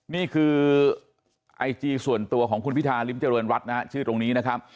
นี่คือไอจีส่วนตัวของคุณพิธาริมเจริญรัฐนะฮะชื่อตรงนี้นะครับ